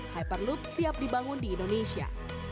hyperloop siap dibangun di indonesia